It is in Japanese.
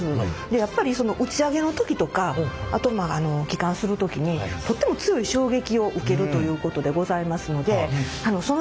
でやっぱりその打ち上げの時とかあとまあ帰還する時にとっても強い衝撃を受けるということでございますので宇宙。